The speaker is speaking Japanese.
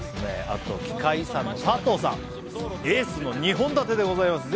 あと奇界遺産の佐藤さんエースの２本立てでございます